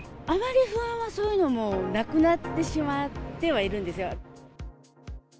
あまり不安は、そういうのもなくなってしまってはいるんですよ。